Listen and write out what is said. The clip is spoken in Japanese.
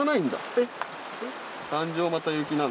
えっ？